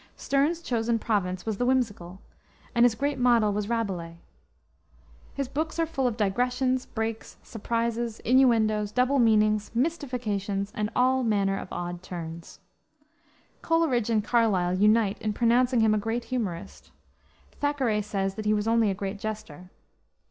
Sterne's chosen province was the whimsical, and his great model was Rabelais. His books are full of digressions, breaks, surprises, innuendoes, double meanings, mystifications, and all manner of odd turns. Coleridge and Carlyle unite in pronouncing him a great humorist. Thackeray says that he was only a great jester.